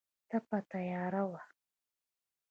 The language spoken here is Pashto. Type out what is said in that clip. تپه تیاره وه.